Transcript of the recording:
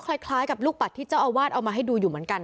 คล้ายกับลูกปัดที่เจ้าอาวาสเอามาให้ดูอยู่เหมือนกัน